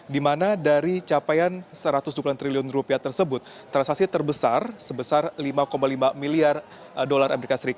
di mana dari capaian rp satu ratus dua puluh triliun rupiah tersebut transaksi terbesar sebesar lima lima miliar dolar as